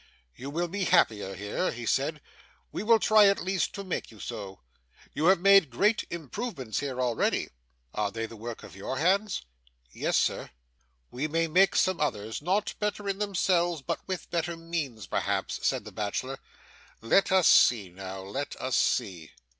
'You will be happier here,' he said; 'we will try, at least, to make you so. You have made great improvements here already. Are they the work of your hands?' 'Yes, sir.' 'We may make some others not better in themselves, but with better means perhaps,' said the bachelor. 'Let us see now, let us see.